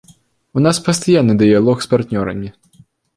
У нас пастаянны дыялог з партнёрамі.